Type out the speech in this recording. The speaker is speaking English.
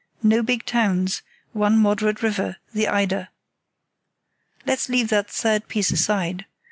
No big towns; one moderate river, the Eider. Let's leave that third piece aside.